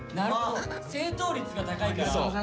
正答率が高いから。